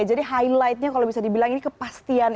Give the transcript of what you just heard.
jadi highlightnya kalau bisa dibilang ini kepastian